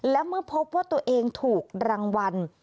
และเมื่อพบว่าตัวเองถูกรางวัล